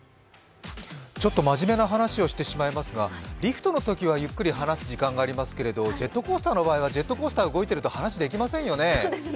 ちょっと真面目な話をしてしまいますが、リフトのときはゆっくり話す時間がありますけれどもジェットコースターの場合はジェットコースターが動いていると話、できませんよね。